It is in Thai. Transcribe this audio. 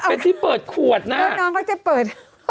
เป็นที่เปิดขวดน่ะสนุกเยอะ